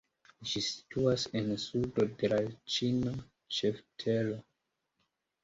Ĝi situas en sudo de la ĉina ĉeftero.